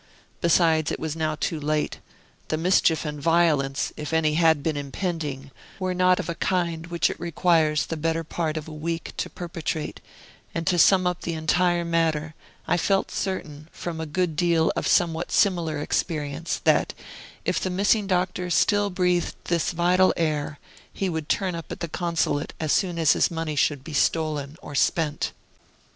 Besides, it was now too late; the mischief and violence, if any had been impending, were not of a kind which it requires the better part of a week to perpetrate; and to sum up the entire matter, I felt certain, from a good deal of somewhat similar experience, that, if the missing Doctor still breathed this vital air, he would turn up at the Consulate as soon as his money should be stolen or spent.